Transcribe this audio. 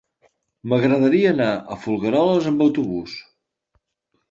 M'agradaria anar a Folgueroles amb autobús.